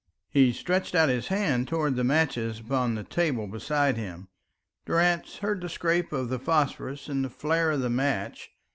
He stretched out his hand towards the matches upon the table beside him. Durrance heard the scrape of the phosphorus and the flare of the match.